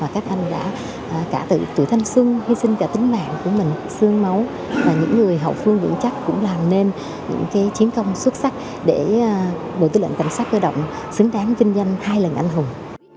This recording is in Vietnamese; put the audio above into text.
các anh đã cả từ tuổi thanh xuân hy sinh cả tính mạng của mình xương máu và những người hậu phương vững chắc cũng làm nên những chiến công xuất sắc để bộ tư lệnh cảnh sát cơ động xứng đáng vinh danh hai lần anh hùng